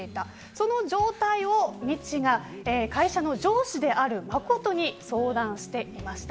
その状態をみちが会社の上司である誠に相談していました。